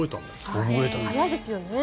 早いですよね。